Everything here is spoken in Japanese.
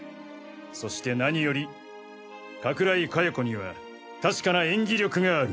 そして何より加倉井加代子には確かな演技力がある。